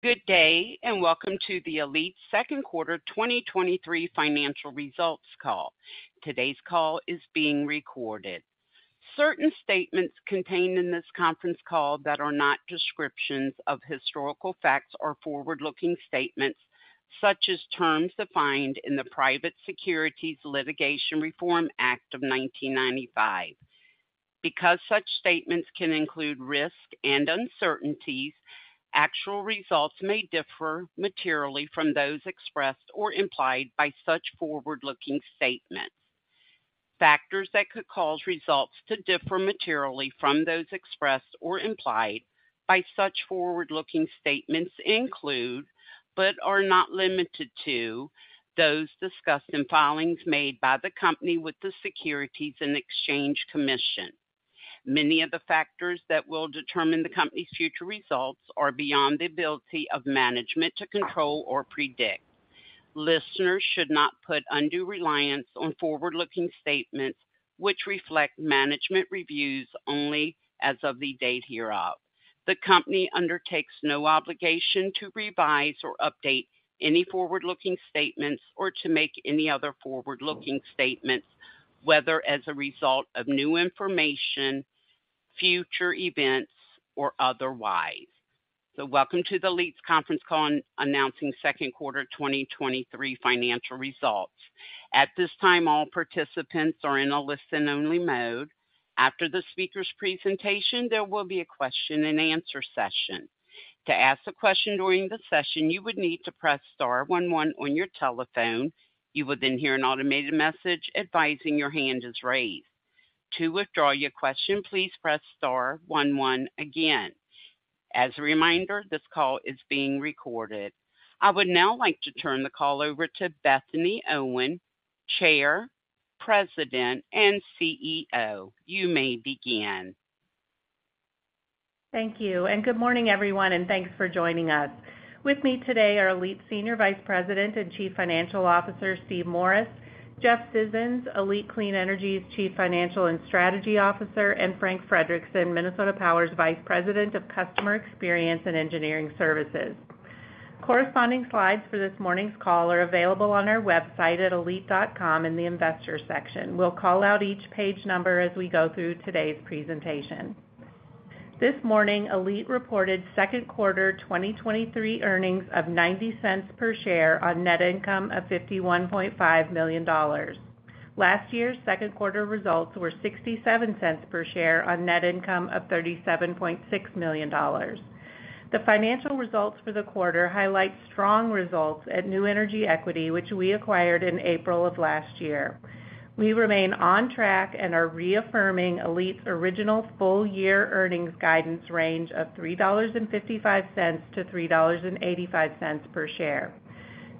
Good day, and welcome to the ALLETE second quarter 2023 financial results call. Today's call is being recorded. Certain statements contained in this conference call that are not descriptions of historical facts or forward-looking statements, such as terms defined in the Private Securities Litigation Reform Act of 1995. Because such statements can include risks and uncertainties, actual results may differ materially from those expressed or implied by such forward-looking statements. Factors that could cause results to differ materially from those expressed or implied by such forward-looking statements include, but are not limited to, those discussed in filings made by the company with the Securities and Exchange Commission. Many of the factors that will determine the company's future results are beyond the ability of management to control or predict. Listeners should not put undue reliance on forward-looking statements, which reflect management reviews only as of the date hereof. The company undertakes no obligation to revise or update any forward-looking statements or to make any other forward-looking statements, whether as a result of new information, future events, or otherwise. Welcome to the ALLETE conference call on announcing second quarter 2023 financial results. At this time, all participants are in a listen-only mode. After the speaker's presentation, there will be a question-and-answer session. To ask a question during the session, you would need to press star 11 on your telephone. You will then hear an automated message advising your hand is raised. To withdraw your question, please press star 11 again. As a reminder, this call is being recorded. I would now like to turn the call over to Bethany Owen, Chair, President, and CEO. You may begin. Thank you, good morning, everyone, and thanks for joining us. With me today are ALLETE Senior Vice President and Chief Financial Officer, Steve Morris; Jeff Scissons, ALLETE Clean Energy's Chief Financial and Strategy Officer; and Frank Frederickson, Minnesota Power's Vice President of Customer Experience and Engineering Services. Corresponding slides for this morning's call are available on our website at allete.com in the Investors section. We'll call out each page number as we go through today's presentation. This morning, ALLETE reported second quarter 2023 earnings of $0.90 per share on net income of $51.5 million. Last year's second quarter results were $0.67 per share on net income of $37.6 million. The financial results for the quarter highlight strong results at New Energy Equity, which we acquired in April of last year. We remain on track and are reaffirming ALLETE's original full-year earnings guidance range of $3.55-$3.85 per share.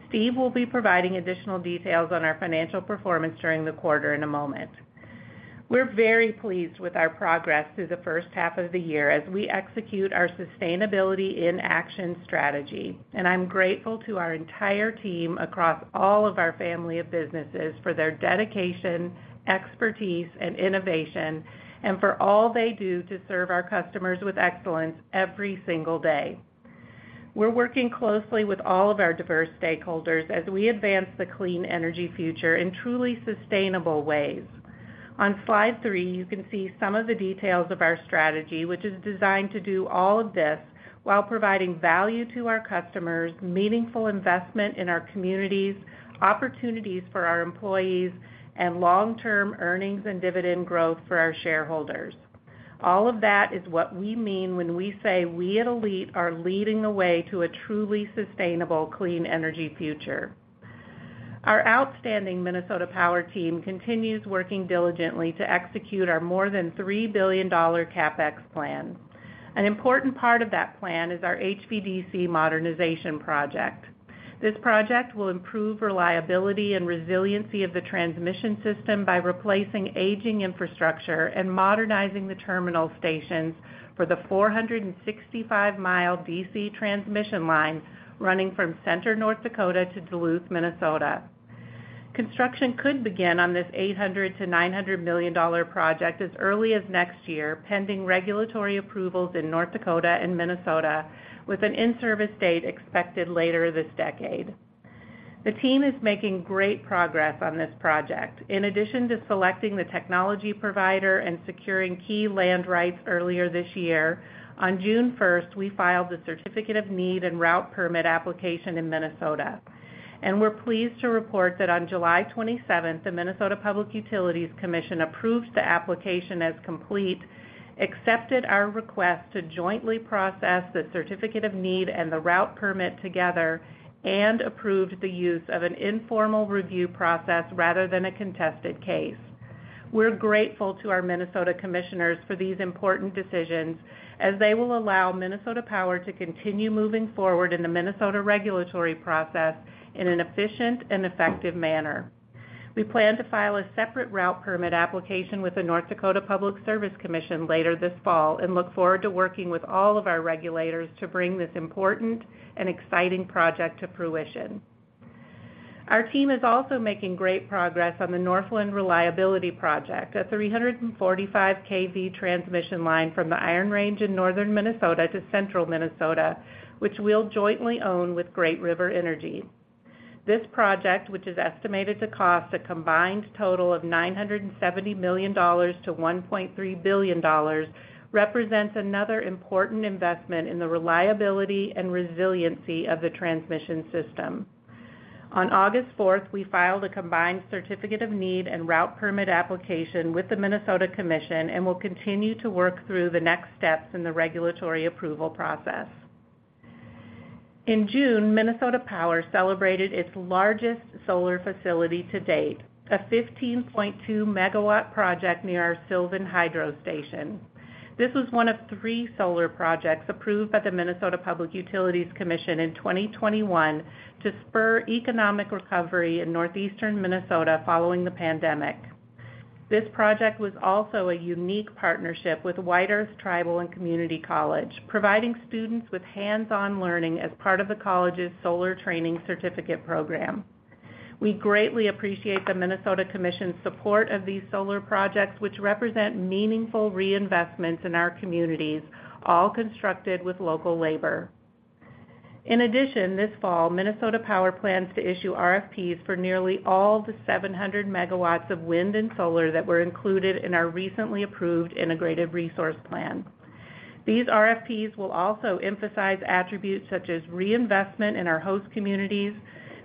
Steve will be providing additional details on our financial performance during the quarter in a moment. We're very pleased with our progress through the first half of the year as we execute our Sustainability in Action strategy, and I'm grateful to our entire team across all of our family of businesses for their dedication, expertise, and innovation, and for all they do to serve our customers with excellence every single day. We're working closely with all of our diverse stakeholders as we advance the clean energy future in truly sustainable ways. On Slide three, you can see some of the details of our strategy, which is designed to do all of this while providing value to our customers, meaningful investment in our communities, opportunities for our employees, and long-term earnings and dividend growth for our shareholders. All of that is what we mean when we say we at ALLETE are leading the way to a truly sustainable, clean energy future. Our outstanding Minnesota Power team continues working diligently to execute our more than $3 billion CapEx plan. An important part of that plan is our HVDC modernization project. This project will improve reliability and resiliency of the transmission system by replacing aging infrastructure and modernizing the terminal stations for the 465-mile DC transmission line running from Center, North Dakota to Duluth, Minnesota. Construction could begin on this $800 million-$900 million project as early as next year, pending regulatory approvals in North Dakota and Minnesota, with an in-service date expected later this decade. The team is making great progress on this project. In addition to selecting the technology provider and securing key land rights earlier this year, on June 1st, we filed the Certificate of Need and Route Permit application in Minnesota. We're pleased to report that on July 27th, the Minnesota Public Utilities Commission approved the application as complete, accepted our request to jointly process the Certificate of Need and the Route Permit together, and approved the use of an informal review process rather than a contested case. We're grateful to our Minnesota commissioners for these important decisions as they will allow Minnesota Power to continue moving forward in the Minnesota regulatory process in an efficient and effective manner. We plan to file a separate Route Permit application with the North Dakota Public Service Commission later this fall and look forward to working with all of our regulators to bring this important and exciting project to fruition. Our team is also making great progress on the Northland Reliability Project, a 345 kV transmission line from the Iron Range in northern Minnesota to central Minnesota, which we'll jointly own with Great River Energy. This project, which is estimated to cost a combined total of $970 million-$1.3 billion, represents another important investment in the reliability and resiliency of the transmission system. On August 4th, we filed a combined Certificate of Need and Route Permit application with the Minnesota Commission, and will continue to work through the next steps in the regulatory approval process. In June, Minnesota Power celebrated its largest solar facility to date, a 15.2 MW project near our Sylvan Hydro Station. This was one of three solar projects approved by the Minnesota Public Utilities Commission in 2021 to spur economic recovery in northeastern Minnesota following the pandemic. This project was also a unique partnership with White Earth Tribal and Community College, providing students with hands-on learning as part of the college's solar training certificate program. We greatly appreciate the Minnesota Commission's support of these solar projects, which represent meaningful reinvestments in our communities, all constructed with local labor. In addition, this fall, Minnesota Power plans to issue RFPs for nearly all the 700 MW of wind and solar that were included in our recently approved integrated resource plan. These RFPs will also emphasize attributes such as reinvestment in our host communities,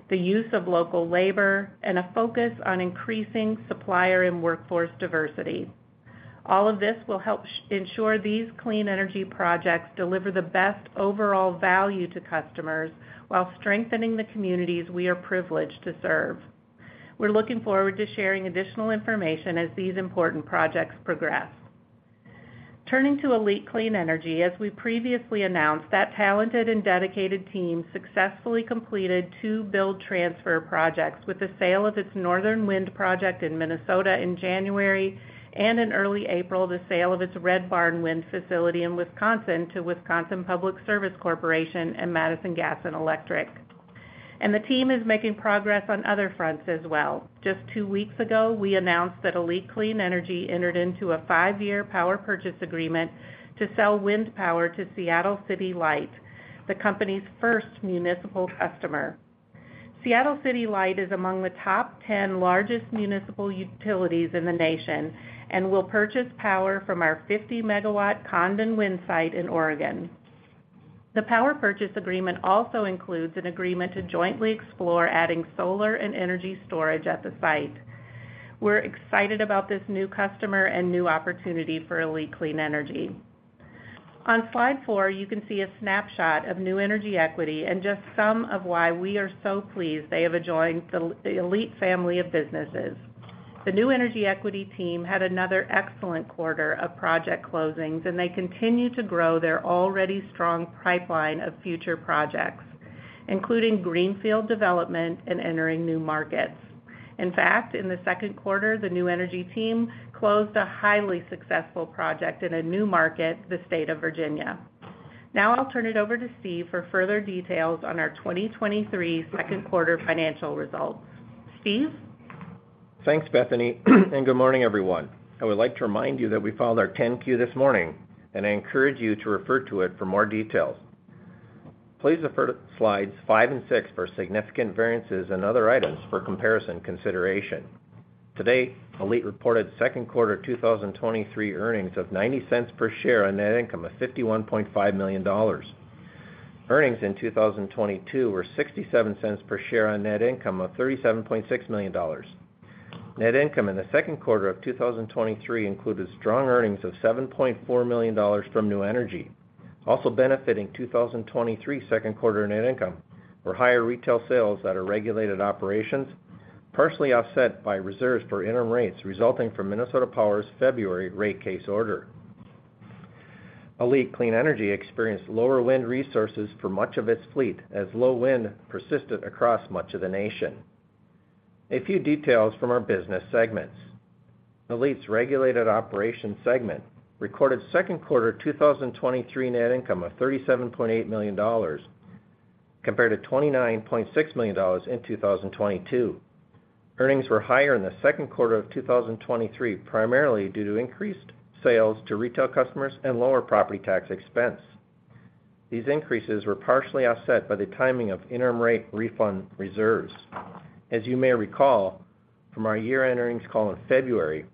the use of local labor, and a focus on increasing supplier and workforce diversity. All of this will help ensure these clean energy projects deliver the best overall value to customers, while strengthening the communities we are privileged to serve. We're looking forward to sharing additional information as these important projects progress. Turning to ALLETE Clean Energy, as we previously announced, that talented and dedicated team successfully completed two build-transfer projects, with the sale of its Northern Wind project in Minnesota in January, and in early April, the sale of its Red Barn Wind facility in Wisconsin to Wisconsin Public Service Corporation and Madison Gas and Electric. The team is making progress on other fronts as well. Just 2 weeks ago, we announced that ALLETE Clean Energy entered into a five-year power purchase agreement to sell wind power to Seattle City Light, the company's first municipal customer. Seattle City Light is among the top 10 largest municipal utilities in the nation and will purchase power from our 50 MW Condon Wind site in Oregon. The power purchase agreement also includes an agreement to jointly explore adding solar and energy storage at the site. We're excited about this new customer and new opportunity for ALLETE Clean Energy. On Slide four, you can see a snapshot of New Energy Equity and just some of why we are so pleased they have joined the ALLETE family of businesses. The New Energy Equity team had another excellent quarter of project closings, and they continue to grow their already strong pipeline of future projects, including greenfield development and entering new markets. In fact, in the second quarter, the New Energy team closed a highly successful project in a new market, the state of Virginia. Now I'll turn it over to Steve for further details on our 2023 second quarter financial results. Steve? Thanks, Bethany. Good morning, everyone. I would like to remind you that we filed our 10-Q this morning. I encourage you to refer to it for more details. Please refer to slides five and six for significant variances and other items for comparison consideration. Today, ALLETE reported second quarter 2023 earnings of $0.90 per share on net income of $51.5 million. Earnings in 2022 were $0.67 per share on net income of $37.6 million. Net income in the second quarter of 2023 included strong earnings of $7.4 million from New Energy, also benefiting 2023 second quarter net income for higher retail sales at our regulated operations, partially offset by reserves for interim rates resulting from Minnesota Power's February rate case order. ALLETE Clean Energy experienced lower wind resources for much of its fleet, as low wind persisted across much of the nation. A few details from our business segments. ALLETE's Regulated Operations segment recorded second quarter 2023 net income of $37.8 million, compared to $29.6 million in 2022. Earnings were higher in the second quarter of 2023, primarily due to increased sales to retail customers and lower property tax expense. These increases were partially offset by the timing of interim rate refund reserves. As you may recall from our year-end earnings call in February,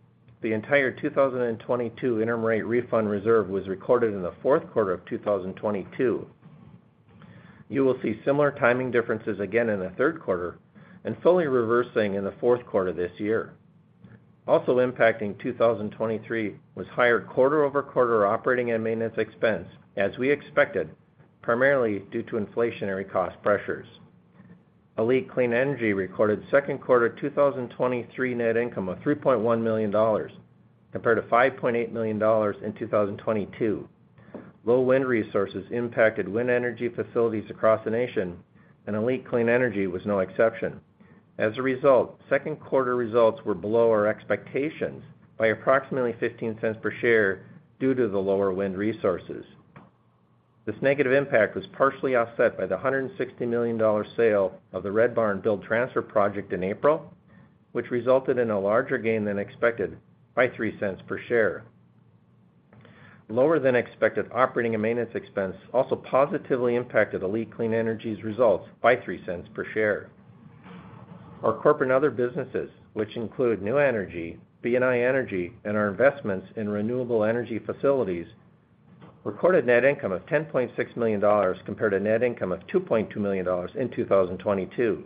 the entire 2022 interim rate refund reserve was recorded in the fourth quarter of 2022. You will see similar timing differences again in the third quarter and fully reversing in the fourth quarter this year. Also impacting 2023, was higher quarter-over-quarter operating and maintenance expense, as we expected, primarily due to inflationary cost pressures. ALLETE Clean Energy recorded second quarter 2023 net income of $3.1 million, compared to $5.8 million in 2022. Low wind resources impacted wind energy facilities across the nation, and ALLETE Clean Energy was no exception. As a result, second quarter results were below our expectations by approximately $0.15 per share due to the lower wind resources. This negative impact was partially offset by the $160 million sale of the Red Barn build-transfer project in April, which resulted in a larger gain than expected by $0.03 per share. Lower than expected operating and maintenance expense also positively impacted ALLETE Clean Energy's results by $0.03 per share. Our corporate and other businesses, which include New Energy, BNI Energy, and our investments in renewable energy facilities, recorded net income of $10.6 million, compared to net income of $2.2 million in 2022.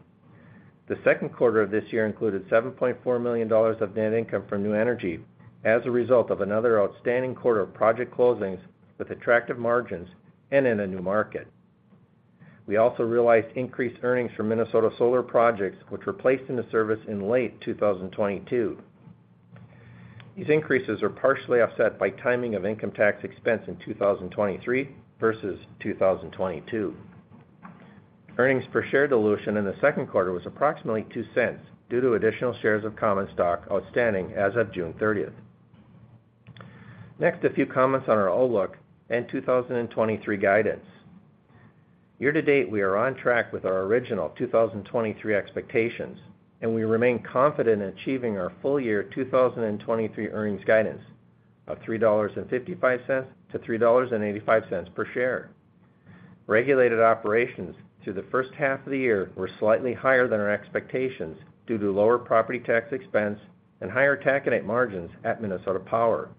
The second quarter of this year included $7.4 million of net income from New Energy as a result of another outstanding quarter of project closings with attractive margins and in a new market. We also realized increased earnings from Minnesota Solar projects, which were placed into service in late 2022. These increases are partially offset by timing of income tax expense in 2023 versus 2022. Earnings per share dilution in the second quarter was approximately $0.02, due to additional shares of common stock outstanding as of June thirtieth. Next, a few comments on our outlook and 2023 guidance. Year to date, we are on track with our original 2023 expectations, and we remain confident in achieving our full year 2023 earnings guidance of $3.55-$3.85 per share. Regulated operations through the first half of the year were slightly higher than our expectations due to lower property tax expense and higher taconite margins at Minnesota Power.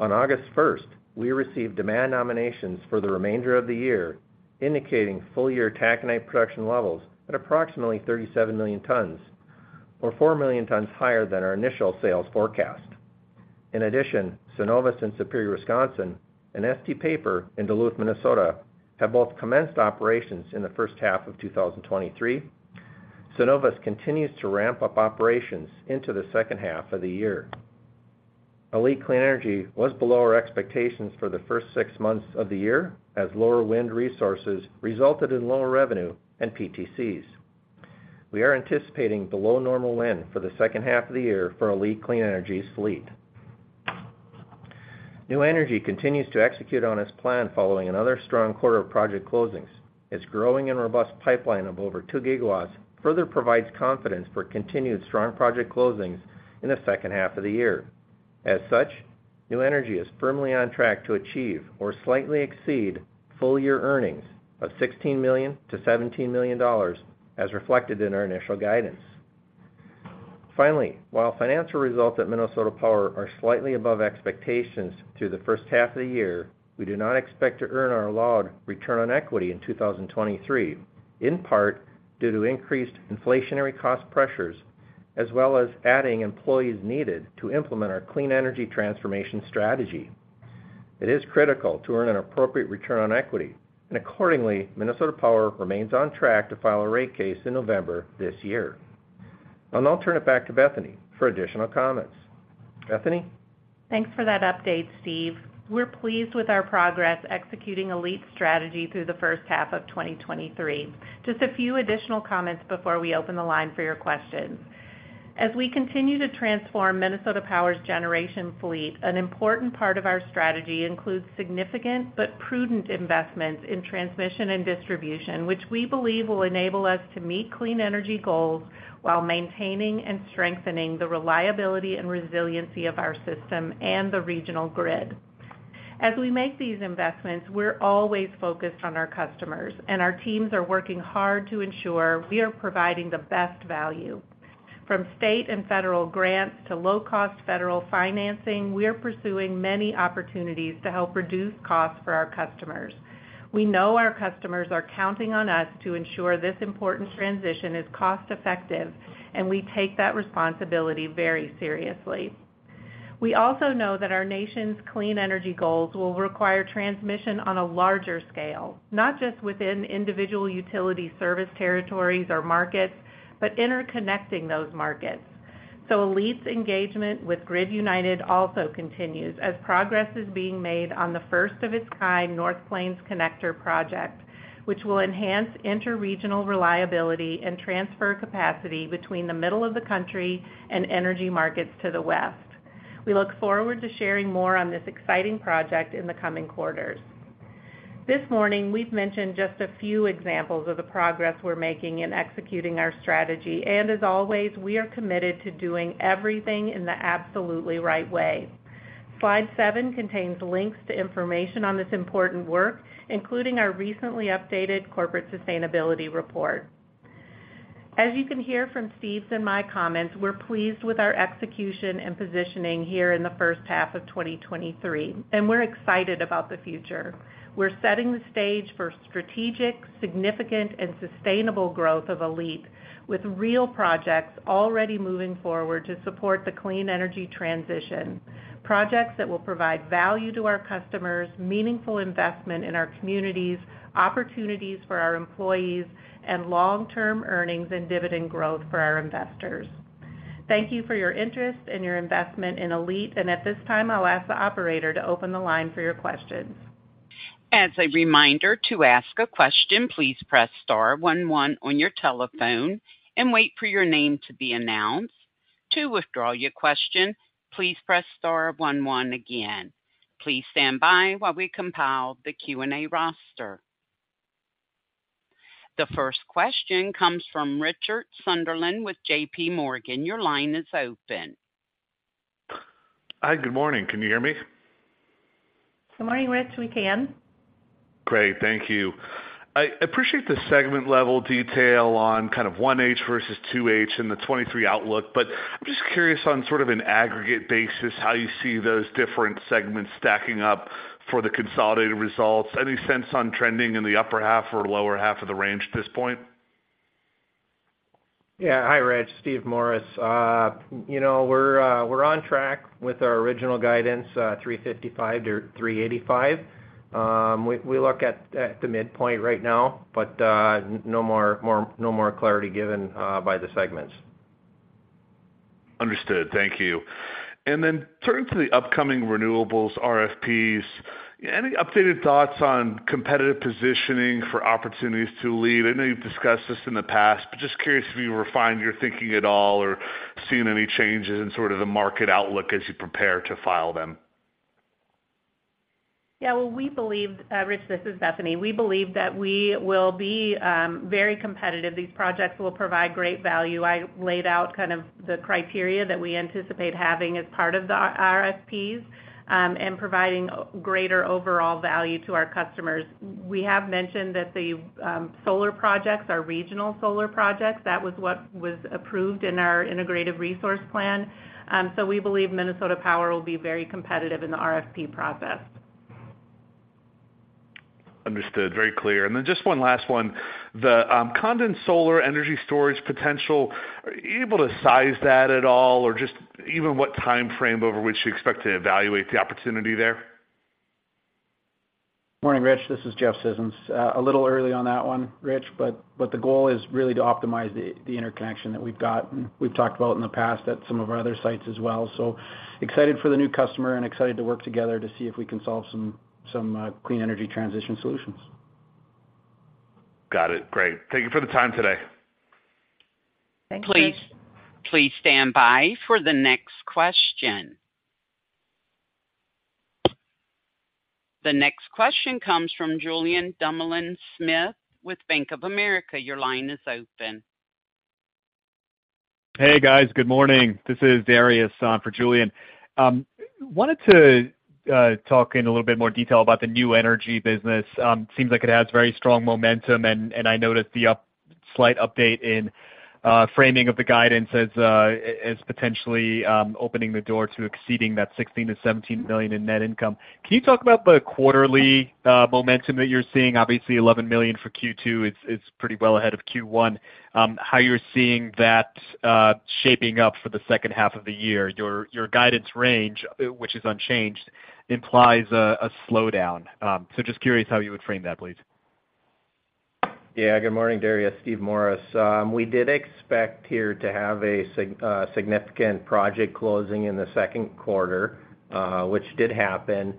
On August first, we received demand nominations for the remainder of the year, indicating full-year taconite production levels at approximately 37 million tons, or 4 million tons higher than our initial sales forecast. In addition, Cenovus and Superior, Wisconsin, and ST Paper in Duluth, Minnesota, have both commenced operations in the first half of 2023. Cenovus continues to ramp up operations into the second half of the year. ALLETE Clean Energy was below our expectations for the first six months of the year, as lower wind resources resulted in lower revenue and PTCs. We are anticipating below normal wind for the second half of the year for ALLETE Clean Energy's fleet. New Energy continues to execute on its plan following another strong quarter of project closings. Its growing and robust pipeline of over 2 GW further provides confidence for continued strong project closings in the second half of the year. As such, New Energy is firmly on track to achieve or slightly exceed full-year earnings of $16 million-$17 million, as reflected in our initial guidance. Finally, while financial results at Minnesota Power are slightly above expectations through the first half of the year, we do not expect to earn our allowed return on equity in 2023, in part due to increased inflationary cost pressures, as well as adding employees needed to implement our clean energy transformation strategy. It is critical to earn an appropriate return on equity, and accordingly, Minnesota Power remains on track to file a rate case in November this year. I'll now turn it back to Bethany for additional comments. Bethany? Thanks for that update, Steve. We're pleased with our progress executing ALLETE's strategy through the first half of 2023. Just a few additional comments before we open the line for your questions. As we continue to transform Minnesota Power's generation fleet, an important part of our strategy includes significant but prudent investments in transmission and distribution, which we believe will enable us to meet clean energy goals while maintaining and strengthening the reliability and resiliency of our system and the regional grid. As we make these investments, we're always focused on our customers, and our teams are working hard to ensure we are providing the best value. From state and federal grants to low-cost federal financing, we are pursuing many opportunities to help reduce costs for our customers. We know our customers are counting on us to ensure this important transition is cost-effective, and we take that responsibility very seriously. We also know that our nation's clean energy goals will require transmission on a larger scale, not just within individual utility service territories or markets, but interconnecting those markets. ALLETE's engagement with Grid United also continues, as progress is being made on the first of its kind North Plains Connector project, which will enhance interregional reliability and transfer capacity between the middle of the country and energy markets to the west. We look forward to sharing more on this exciting project in the coming quarters. This morning, we've mentioned just a few examples of the progress we're making in executing our strategy. As always, we are committed to doing everything in the absolutely right way. Slide 7 contains links to information on this important work, including our recently updated corporate sustainability report. As you can hear from Steve's and my comments, we're pleased with our execution and positioning here in the first half of 2023. We're excited about the future. We're setting the stage for strategic, significant, and sustainable growth of ALLETE, with real projects already moving forward to support the clean energy transition, projects that will provide value to our customers, meaningful investment in our communities, opportunities for our employees, and long-term earnings and dividend growth for our investors. Thank you for your interest and your investment in ALLETE. At this time, I'll ask the operator to open the line for your questions. As a reminder, to ask a question, please press star one one on your telephone and wait for your name to be announced.... To withdraw your question, please press star one one again. Please stand by while we compile the Q&A roster. The first question comes from Richard Sunderland with JPMorgan. Your line is open. Hi, good morning. Can you hear me? Good morning, Rich. We can. Great, thank you. I appreciate the segment-level detail on kind of 1H versus 2H and the 2023 outlook. I'm just curious on sort of an aggregate basis, how you see those different segments stacking up for the consolidated results. Any sense on trending in the upper half or lower half of the range at this point? Yeah. Hi, Rich. Steve Morris. You know, we're on track with our original guidance, $3.55-$3.85. We look at the midpoint right now, but no more clarity given by the segments. Understood. Thank you. Then turning to the upcoming renewables RFPs, any updated thoughts on competitive positioning for opportunities to lead? I know you've discussed this in the past, but just curious if you refined your thinking at all or seen any changes in sort of the market outlook as you prepare to file them. Yeah, well, we believe, Rich, this is Bethany. We believe that we will be very competitive. These projects will provide great value. I laid out kind of the criteria that we anticipate having as part of the RFPs, and providing greater overall value to our customers. We have mentioned that the solar projects are regional solar projects. That was what was approved in our integrated resource plan. We believe Minnesota Power will be very competitive in the RFP process. Understood. Very clear. Then just one last one: the Condon solar energy storage potential, are you able to size that at all, or just even what timeframe over which you expect to evaluate the opportunity there? Morning, Rich, this is Jeff Scissons. A little early on that one, Rich, but the goal is really to optimize the interconnection that we've got, and we've talked about in the past at some of our other sites as well. Excited for the new customer and excited to work together to see if we can solve some clean energy transition solutions. Got it. Great. Thank you for the time today. Thanks, Rich. Please, please stand by for the next question. The next question comes from Julien Dumoulin-Smith with Bank of America. Your line is open. Hey, guys, good morning. This is Darius, for Julien. Wanted to talk in a little bit more detail about the New Energy business. Seems like it has very strong momentum, and I noticed the slight update in framing of the guidance as as potentially opening the door to exceeding that $16 million-$17 million in net income. Can you talk about the quarterly momentum that you're seeing? Obviously, $11 million for Q2 is, is pretty well ahead of Q1. How you're seeing that shaping up for the second half of the year? Your, your guidance range, which is unchanged, implies a slowdown. Just curious how you would frame that, please? Yeah. Good morning, Darius. Steve Morris. We did expect here to have a significant project closing in the second quarter, which did happen,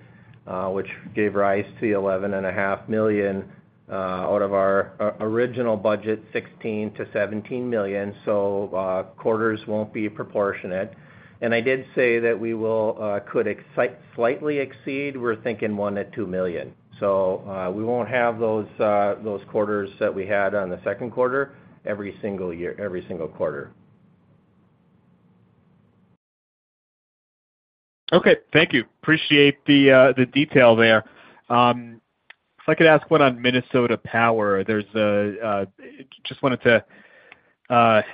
which gave rise to the $11.5 million out of our original budget, $16 million-$17 million. Quarters won't be proportionate. I did say that we will, could slightly exceed, we're thinking $1 million-$2 million. We won't have those, those quarters that we had on the second quarter every single year, every single quarter. Okay. Thank you. Appreciate the detail there. If I could ask one on Minnesota Power, there's a, just wanted to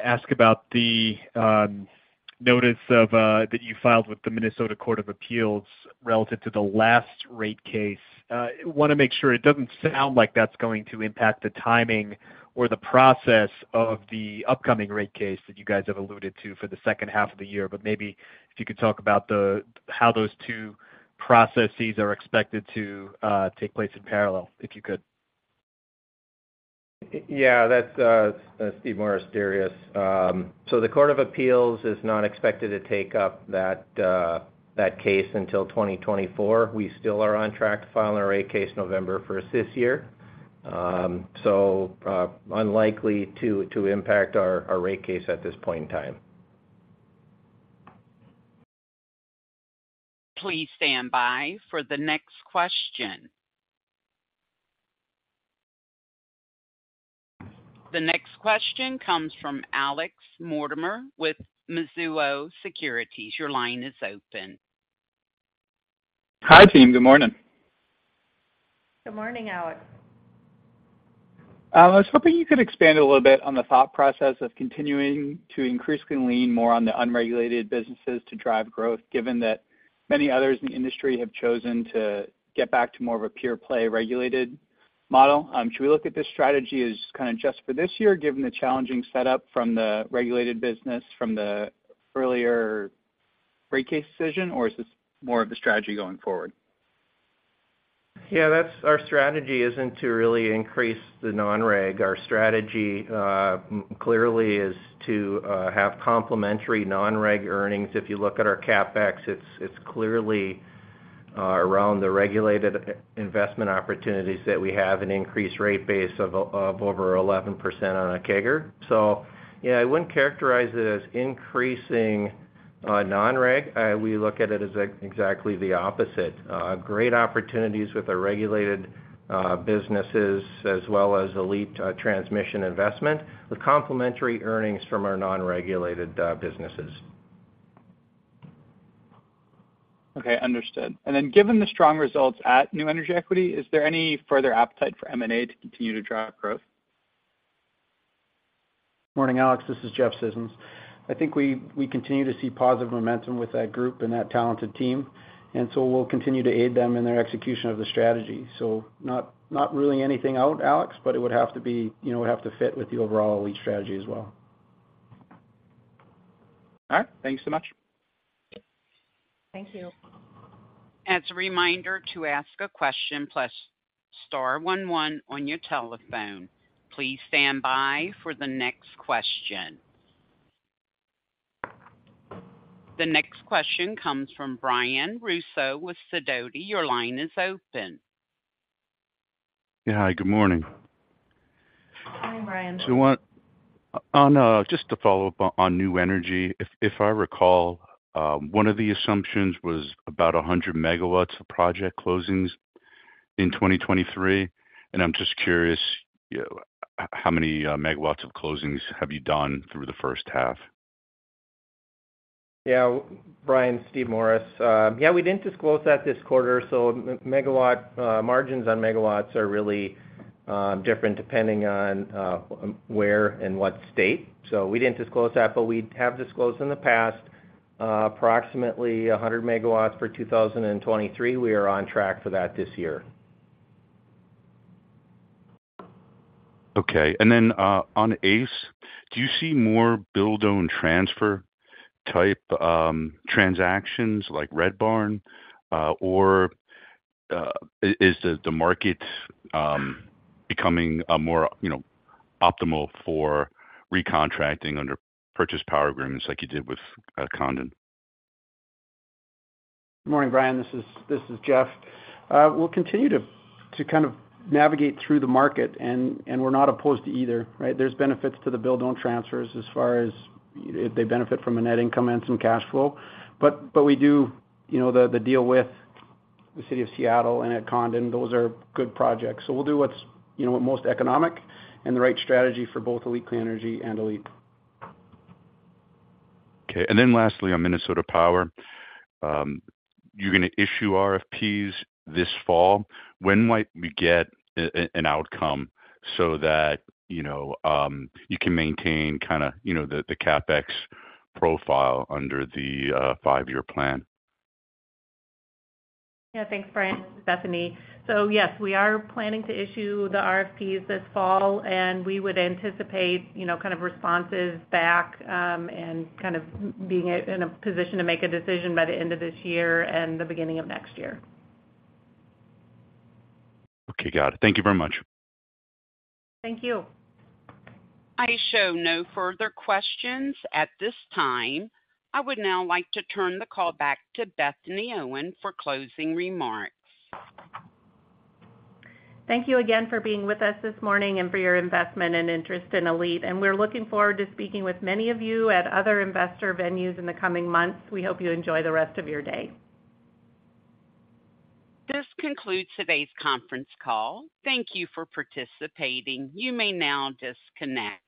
ask about the notice of, that you filed with the Minnesota Court of Appeals relative to the last rate case? Wanna make sure it doesn't sound like that's going to impact the timing or the process of the upcoming rate case that you guys have alluded to for the second half of the year, but maybe if you could talk about the, how those two processes are expected to take place in parallel, if you could? Yeah, that's Steve Morris, Darius. The Court of Appeals is not expected to take up that case until 2024. We still are on track to file our rate case November 1st this year. Unlikely to, to impact our, our rate case at this point in time. Please stand by for the next question. The next question comes from Alex Mortimer with Mizuho Securities. Your line is open. Hi, team. Good morning. Good morning, Alex. I was hoping you could expand a little bit on the thought process of continuing to increasingly lean more on the unregulated businesses to drive growth, given that many others in the industry have chosen to get back to more of a pure play regulated model? Should we look at this strategy as kind of just for this year, given the challenging setup from the regulated business from the earlier rate case decision, or is this more of a strategy going forward? Yeah, that's our strategy isn't to really increase the non-reg. Our strategy clearly is to have complementary non-reg earnings. If you look at our CapEx, it's around the regulated investment opportunities that we have an increased rate base of over 11% on a CAGR. Yeah, I wouldn't characterize it as increasing non-reg. We look at it as exactly the opposite. Great opportunities with our regulated businesses, as well as ALLETE Transmission investment, with complementary earnings from our non-regulated businesses. Okay, understood. Then given the strong results at New Energy Equity, is there any further appetite for M&A to continue to drive growth? Morning, Alex, this is Jeff Scissons. I think we, we continue to see positive momentum with that group and that talented team, and so we'll continue to aid them in their execution of the strategy. Not, not ruling anything out, Alex, but it would have to be, you know, it would have to fit with the overall ALLETE strategy as well. All right. Thank you so much. Thank you. As a reminder, to ask a question, press star one one on your telephone. Please stand by for the next question. The next question comes from Brian Russo with Sidoti. Your line is open. Yeah. Hi, good morning. Hi, Brian. On, just to follow up on New Energy, if, if I recall, one of the assumptions was about 100 MW of project closings in 2023, and I'm just curious, yeah, how many megawatts of closings have you done through the first half? Yeah. Brian, Steve Morris. Yeah, we didn't disclose that this quarter, so megawatt, margins on megawatts are really different depending on where and what state. We didn't disclose that, but we have disclosed in the past, approximately 100 megawatts for 2023. We are on track for that this year. Okay. Then, on ACE, do you see more build-own-transfer type transactions like Red Barn? Or, is the market becoming a more, you know, optimal for recontracting under power purchase agreements like you did with Condon? Good morning, Brian. This is, this is Jeff. We'll continue to, to kind of navigate through the market, and, and we're not opposed to either, right? There's benefits to the build-own-transfers as far as if they benefit from a net income and some cash flow. But we do, you know, the, the deal with the city of Seattle and at Condon, those are good projects. We'll do what's, you know, most economic and the right strategy for both ALLETE Clean Energy and ALLETE. Okay. Lastly, on Minnesota Power, you're going to issue RFPs this fall. When might we get a, an outcome so that, you know, you can maintain kind of, you know, the, the CapEx profile under the five-year plan? Yeah. Thanks, Brian. Bethany. Yes, we are planning to issue the RFPs this fall, and we would anticipate, you know, kind of responses back, and kind of being in a position to make a decision by the end of this year and the beginning of next year. Okay. Got it. Thank you very much. Thank you. I show no further questions at this time. I would now like to turn the call back to Bethany Owen for closing remarks. Thank you again for being with us this morning and for your investment and interest in ALLETE. We're looking forward to speaking with many of you at other investor venues in the coming months. We hope you enjoy the rest of your day. This concludes today's conference call. Thank you for participating. You may now disconnect.